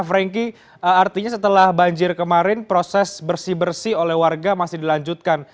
frankie artinya setelah banjir kemarin proses bersih bersih oleh warga masih dilanjutkan